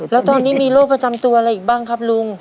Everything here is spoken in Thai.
แล้วตอนนี้มีโรคประจำตัวอะไรอีกบ้างครับลุง